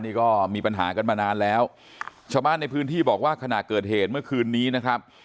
นี่ก็มีปัญหากันมานานแล้วชาวบ้านในพื้นที่บอกว่าขณะเกิดเหตุเมื่อคืนนี้นะครับ